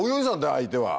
相手は。